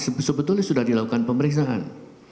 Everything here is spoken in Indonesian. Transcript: sebetulnya sudah dilakukan pemeriksaan